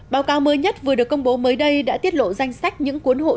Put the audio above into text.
báo cáo mới nhất vừa được công bố mới đây đã tiết lộ danh sách những cuốn hội chống tham nhũng